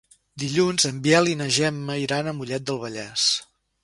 Dilluns en Biel i na Gemma iran a Mollet del Vallès.